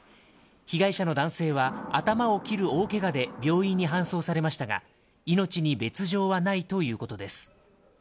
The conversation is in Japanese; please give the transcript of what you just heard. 被害者の男性は頭を切る大けがで病院に搬送されましたが、命に別状はないということです。